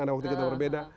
ada waktu kita berbeda